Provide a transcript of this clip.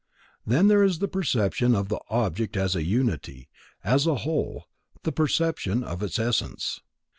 Then there is the perception of the object as a unity, as a whole, the perception of its essence.